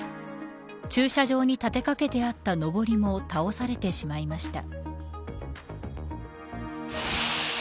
駐車場に立てかけてあったのぼりも倒されてしまいました。